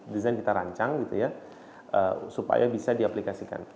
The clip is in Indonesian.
desain yang kita rancang supaya bisa diaplikasikan